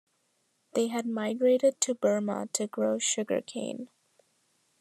They had migrated to Burma to grow sugarcane.